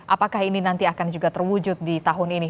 apakah ini nanti akan juga terwujud di tahun ini